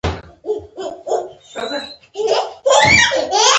زموږ د وروسته مورخینو قضاوتونه پر دغو افسانو ولاړ دي.